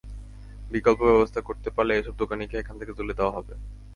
বিকল্প ব্যবস্থা করতে পারলে এসব দোকানিকে এখান থেকে তুলে দেওয়া হবে।